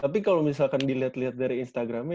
tapi kalau misalkan dilihat lihat dari instagramnya